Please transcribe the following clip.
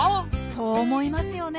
そう思いますよね。